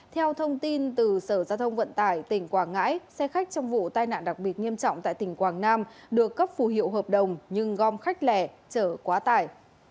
theo thông tin từ sở giao thông vận tải tỉnh quảng ngãi xe khách trong vụ tai nạn đặc biệt nghiêm trọng tại tỉnh quảng nam được cấp phù hiệu hợp đồng nhưng gom khách lẻ chở quá tải